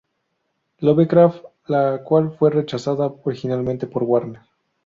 Lovecraft, la cual fue rechazada originalmente por Warner.